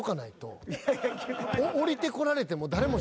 おりてこられても。